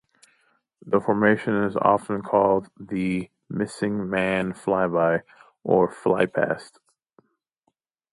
The formation is often called the "missing man flyby" or "flypast".